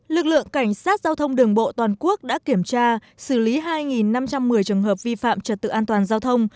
lực lượng cảnh sát giao thông đường bộ toàn quốc đã kiểm tra xử lý hai năm trăm một mươi trường hợp vi phạm trật tự an toàn giao thông